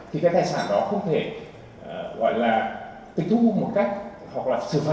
thì cái tài sản đó không thể gọi là tịch thu một cách hoặc là xử phạt